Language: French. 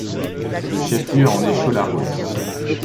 Le chef-lieu en est Cholargós.